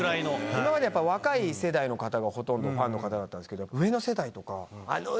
今までやっぱ若い世代の方がほとんどファンの方だったんですけど上の世代とか。